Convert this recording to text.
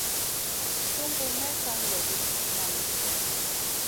Sungu may kan loʼ ɗi, naŋu.